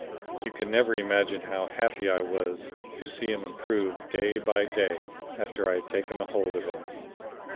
You can never imagine how happy I was to see him improve day by day after I had taken a hold of him.